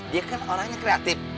dia kan orangnya kreatif